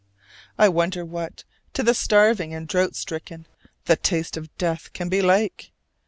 I wonder what, to the starving and drought stricken, the taste of death can be like!